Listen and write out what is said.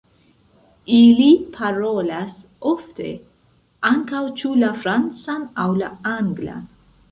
Ili parolas ofte ankaŭ ĉu la francan aŭ la anglan.